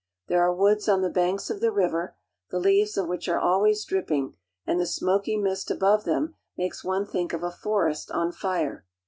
There are woods on the banks of the river, the leaves of which are always drip ping, and the smoky mist above them makes one think of a forest on fire.